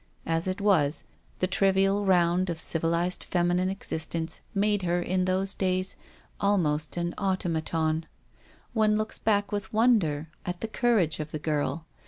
As it was, the trivial round of civilised feminine exist ence made her, in those days, almost an au tomaton. One looks back, with wonder, at the courage of the girl.